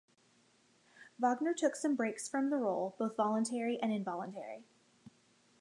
Wagner took some breaks from the role, both voluntary and involuntary.